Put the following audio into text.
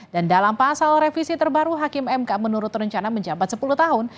dan dalam pasal revisi terbaru hakim mk menurut rencana menjembat sepuluh tahun